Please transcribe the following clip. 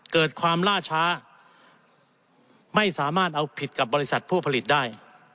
เกิดความล่าช้าไม่สามารถเอาผิดกับบริษัทผู้ผลิตได้